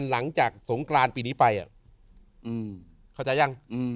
หลังจากสงครานปีนี้ไปอ่ะอืมเข้าใจยังอืม